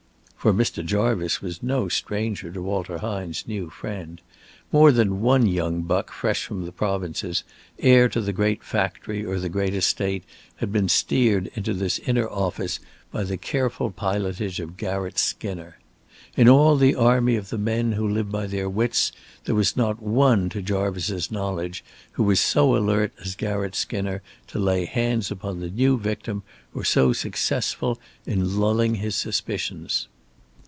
For Mr. Jarvice was no stranger to Walter Hine's new friend. More than one young buck fresh from the provinces, heir to the great factory or the great estate, had been steered into this inner office by the careful pilotage of Garratt Skinner. In all the army of the men who live by their wits, there was not one to Jarvice's knowledge who was so alert as Garratt Skinner to lay hands upon the new victim or so successful in lulling his suspicions.